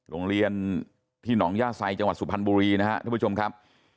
โรงเรียนที่หนองย่าไซจังหวัดสุพรรณบุรีนะครับท่านผู้ชมครับ